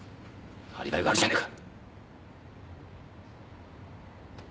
アリバイがあるじゃないか！